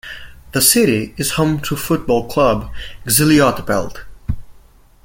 The city is home to football club Xilotepelt.